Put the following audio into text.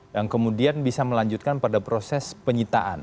dan kemudian bisa melanjutkan pada proses penyitaan